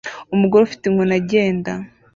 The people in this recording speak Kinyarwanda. Umugore ufite inkoni agenda